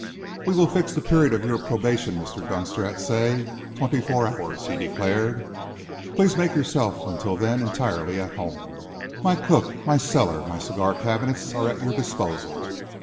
"We will fix the period of your probation, Mr. Dunster, at say, twenty four hours," he decided. "Please make yourself until then entirely at home. My cook, my cellar, my cigar cabinets, are at your disposal.